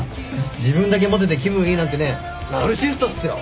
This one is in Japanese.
自分だけモテて気分いいなんてねナルシシストっすよ！